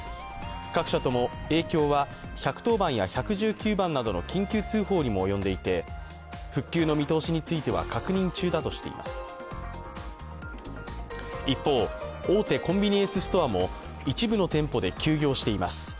各社とも影響は１１０番通報や１１９番通報などの緊急通報にも及んでいて、復旧の見通しについては確認中だとしています一方、大手コンビニエンスストアも一部の店舗で休業しています。